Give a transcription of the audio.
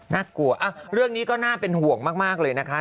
น่ากลัวเรื่องนี้ก็น่าเป็นห่วงมากเลยนะคะ